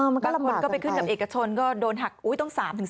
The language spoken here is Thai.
บางคนก็ไปขึ้นกับเอกชนก็โดนหักต้อง๓๔